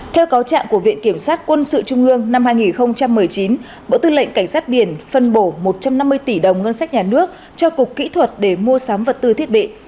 theo cáo trạng của viện kiểm sát quân sự trung ương năm hai nghìn một mươi chín bộ tư lệnh cảnh sát biển phân bổ một trăm năm mươi tỷ đồng ngân sách nhà nước cho cục kỹ thuật để mua sắm vật tư thiết bị